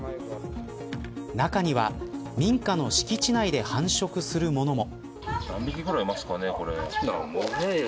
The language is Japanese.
中には民家の敷地内で繁殖するものも。